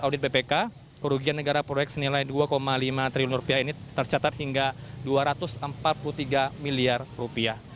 audit bpk kerugian negara proyek senilai dua lima triliun rupiah ini tercatat hingga dua ratus empat puluh tiga miliar rupiah